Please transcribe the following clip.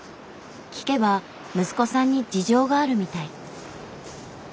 聞けば息子さんに事情があるみたい。